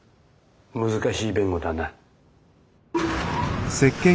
難しい弁護だな。